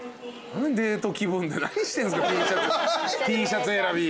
Ｔシャツ選び。